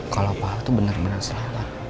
kalau pak itu benar benar salah